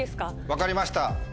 分かりました。